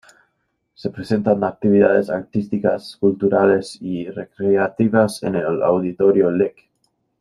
Se presentan actividades artísticas culturales y recreativas en el auditorio Lic.